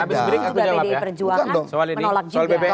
habis berikut juga bd perjuangan menolak juga